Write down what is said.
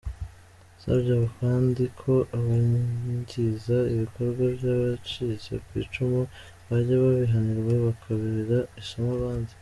Yasabye kandi ko abangiza ibikorwa by’abacitse ku icumu bajya babihanirwa bikabera isomo abandi.